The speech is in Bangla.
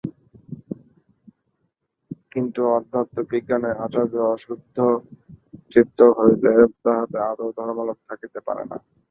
কিন্তু অধ্যাত্মবিজ্ঞানের আচার্য অশুদ্ধচিত্ত হইলে তাঁহাতে আদৌ ধর্মালোক থাকিতে পারে না।